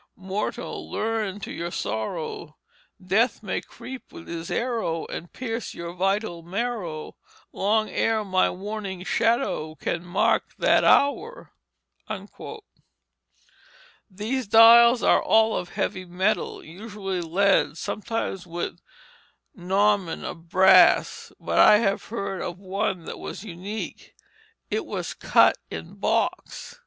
Mortall! Lern to your Sorrow Death may creep with his Arrow And pierce yo'r vitall Marrow Long ere my warning Shadow Can mark that Hour." These dials are all of heavy metal, usually lead; sometimes with gnomon of brass. But I have heard of one which was unique; it was cut in box.